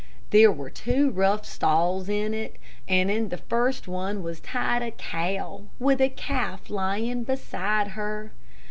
There were two rough stalls in it, and in the first one was tied a cow, with a calf lying beside her.